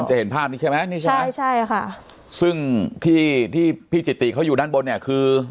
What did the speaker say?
มันจะเห็นภาพนี้ใช่ไหมใช่ใช่ค่ะซึ่งที่ที่พี่จิตตีเขาอยู่ด้านบนเนี้ยคือ